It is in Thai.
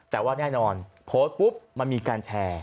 แต่ว่าแน่นอนโพสต์ปุ๊บมันมีการแชร์